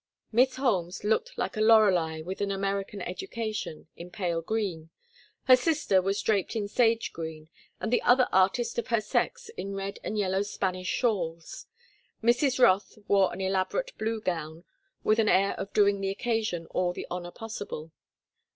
Miss Holmes looked like a lorelei with an American education, in pale green. Her sister was draped in sage green, and the other artist of her sex in red and yellow Spanish shawls. Mrs. Rothe wore an elaborate blue gown with an air of doing the occasion all the honor possible.